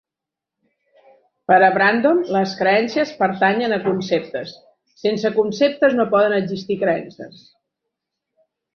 Per a Brandom, les creences pertanyen a conceptes: sense conceptes no poden existir creences.